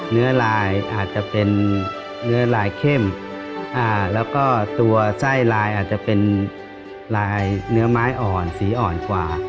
เนื้อลายอาจจะเป็นเนื้อลายเข้มแล้วก็ตัวไส้ลายอาจจะเป็นลายเนื้อไม้อ่อนสีอ่อนกว่า